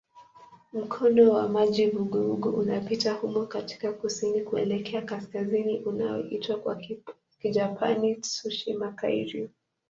Mkondo wa maji vuguvugu unapita humo kutoka kusini kuelekea kaskazini unaoitwa kwa Kijapani "Tsushima-kairyū".